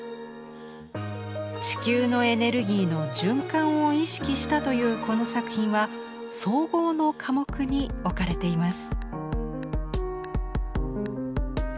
地球のエネルギーの循環を意識したというこの作品は総合の科目に置かれています。